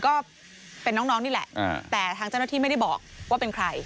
ก็เป็นน้องนี่แหละแต่ทางเจ้าหน้าที่ไม่ได้บอกว่าเป็นใคร